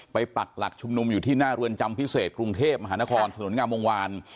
ปักหลักชุมนุมอยู่ที่หน้าเรือนจำพิเศษกรุงเทพมหานครถนนงามวงวาน